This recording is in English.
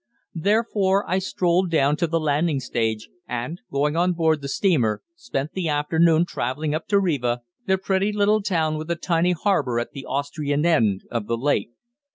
Therefore I strolled down to the landing stage, and, going on board the steamer, spent the afternoon travelling up to Riva, the pretty little town with the tiny harbour at the Austrian end of the lake.